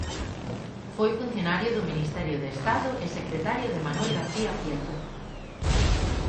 Foi funcionario do Ministerio de Estado e secretario de Manuel García Prieto.